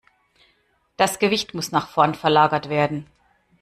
Das Gewicht muss nach vorn verlagert werden.